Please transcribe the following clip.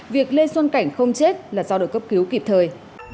việc lê xuân cảnh không chết là do được cấp cứu kịp thời